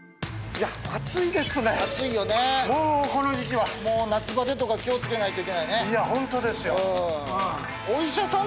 いや暑いですね暑いよねもうこの時期はもう夏バテとか気をつけないといけないねいやホントですよ